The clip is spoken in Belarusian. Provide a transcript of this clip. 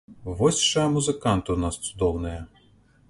Вось жа музыканты ў нас цудоўныя!